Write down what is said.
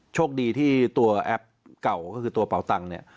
โชคดีที่ตัวแอปเก่าก็คือตัวเป่าตังค์เนี่ย